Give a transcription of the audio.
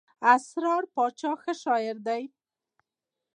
اسرار باچا ښه شاعر دئ.